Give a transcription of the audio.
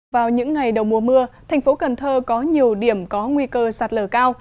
vào những ngày đầu mùa mưa thành phố cần thơ có nhiều điểm có nguy cơ sạt lở cao